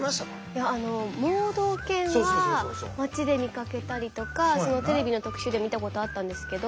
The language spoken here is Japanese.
いや盲導犬は街で見かけたりとかテレビの特集で見たことあったんですけど